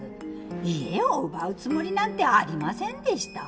家を奪うつもりなんてありませんでした。